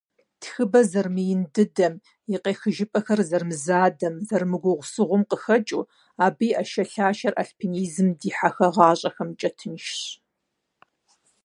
Тхыбэ зэрымыин дыдэм, и къехыжыпӀэхэр зэрымызадэм, зэрымыгугъусыгъум къыхэкӀыу, абы и Ӏэшэлъашэр альпинизмэм дихьэхагъащӀэхэмкӏэ тыншщ.